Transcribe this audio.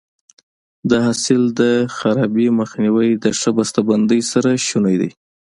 د حاصل د خرابي مخنیوی د ښه بسته بندۍ سره شونی دی.